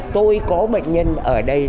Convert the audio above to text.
tôi có bệnh nhân ở đây